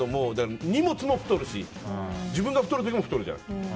荷物も太るし自分が太る時も太るじゃん。